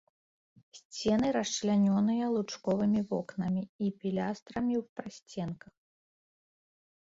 Сцены расчлянёныя лучковымі вокнамі і пілястрамі ў прасценках.